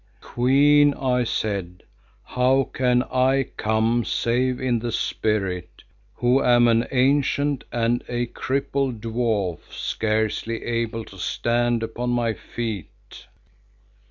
'Queen,' I said, 'how can I come save in the spirit, who am an ancient and a crippled dwarf scarcely able to stand upon my feet?